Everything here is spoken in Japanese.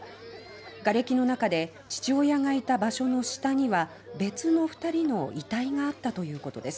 がれきの中で父親がいた場所の下には別の２人の遺体があったということです。